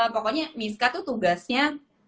pokoknya misca tuh tugasnya